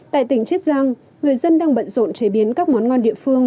tại tỉnh chiết giang người dân đang bận rộn chế biến các món ngon địa phương